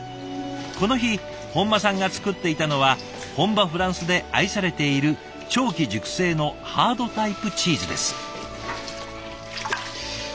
この日本間さんがつくっていたのは本場フランスで愛されている長期熟成のハードタイプチーズです。